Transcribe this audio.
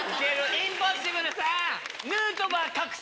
インポッシブルさん。